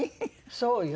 そうよ。